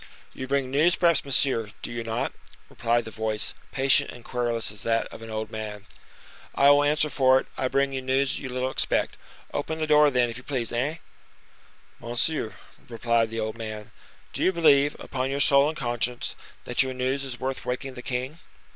"You bring news, perhaps, monsieur, do you not?" replied the voice, patient and querulous as that of an old man. "I will answer for it, I bring you news you little expect. Open the door, then, if you please, hein!" "Monsieur," persisted the old man, "do you believe, upon your soul and conscience, that your news is worth waking the king?"